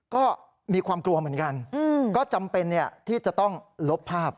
ก็มีความกลัวเหมือนกันก็จำเป็นที่จะต้องลบภาพ